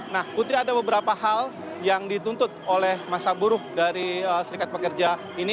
nah putri ada beberapa hal yang dituntut oleh masa buruh dari serikat pekerja ini